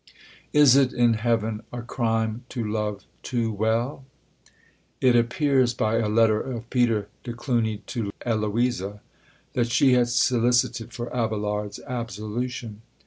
"Is it, in heaven, a crime to love too well?" It appears by a letter of Peter de Cluny to Eloisa, that she had solicited for Abelard's absolution.